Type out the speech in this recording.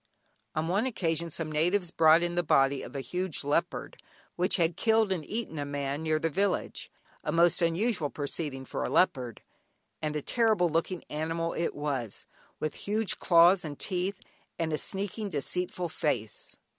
On one occasion some natives brought in the body of a huge leopard which had killed and eaten a man near their village (a most unusual proceeding for a leopard), and a terrible looking animal it was, with huge claws and teeth, and a sneaking deceitful face.